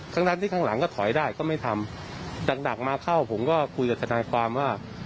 ทั้งที่ข้างหลังก็ถอยได้ก็ไม่ทำดักมาเข้าผมก็คุยกับทนายความว่า